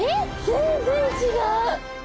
全然違う！